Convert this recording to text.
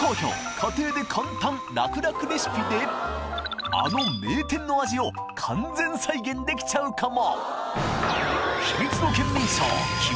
家庭で簡単らくらくレシピであの名店の味を完全再現できちゃうかも！